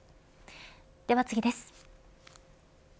では次です。